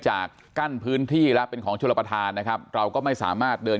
กั้นพื้นที่แล้วเป็นของชลประธานนะครับเราก็ไม่สามารถเดิน